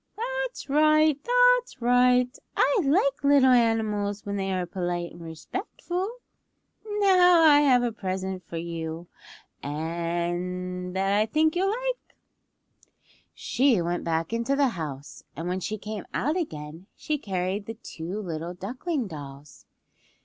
"That's right! That's right! I like little animals when they are polite and respectful. Now I have a present for you that I think you'll like." She went back into the house, and when she came out again she carried the two little duckling dolls.